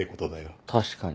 確かに。